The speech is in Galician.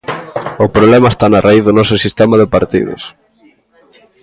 O problema está na raíz do noso sistema de partidos.